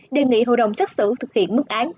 đề nghị hội đồng xét xử thực hiện mức án